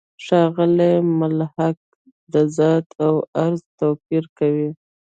ښاغلی محق د «ذات» او «عرض» توپیر کوي.